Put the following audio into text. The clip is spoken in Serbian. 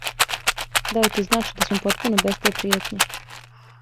Да ли ти значи да смо потпуно без те пријетње?